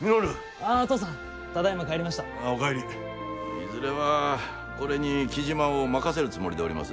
いずれはこれに雉真を任せるつもりでおります。